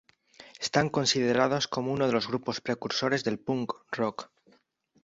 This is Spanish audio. Están considerados como uno de los grupos precursores del punk rock.